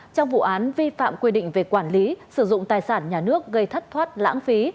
trong vụ án vi phạm quy định về quản lý sử dụng tài sản nhà nước gây thất thoát lãng phí